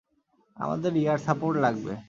আমাদের air support লাগবে।